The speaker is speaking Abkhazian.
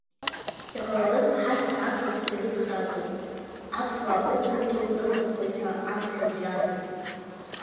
Иҟаларын ҳашьцәа ақырҭцәа ирыцхраатәуп, аԥсуаа урҭ рыдгылқәа рымырхуеит ҳәа амц илжьазар.